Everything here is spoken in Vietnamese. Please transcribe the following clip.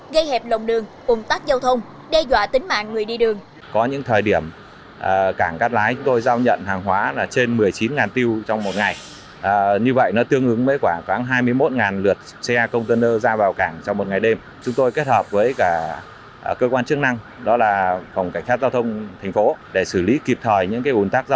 gây hẹp lồng đường bùng tắc giao thông đe dọa tính mạng người đi đường